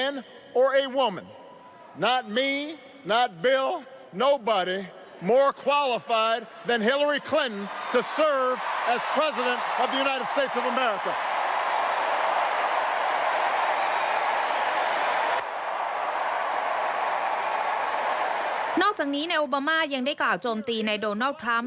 นอกจากนี้นายโอบามายังได้กล่าวโจมตีในโดนัลด์ทรัมป